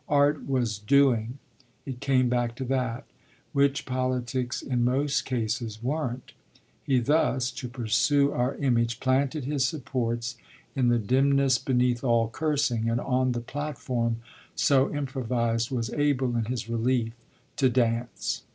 Art was doing it came back to that which politics in most cases weren't. He thus, to pursue our image, planted his supports in the dimness beneath all cursing, and on the platform so improvised was able, in his relief, to dance.